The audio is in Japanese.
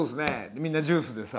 みんなジュースでさ